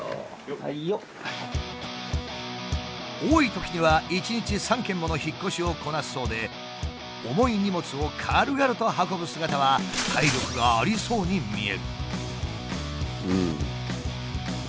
多いときには一日３件もの引っ越しをこなすそうで重い荷物を軽々と運ぶ姿は体力がありそうに見える。